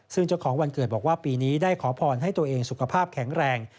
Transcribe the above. ซึ่งเจ้าของวันเกิดบอกว่าปีนี้ได้ขอพรให้ตัวเองสุขภาพแข็งแรง